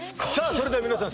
それでは皆さん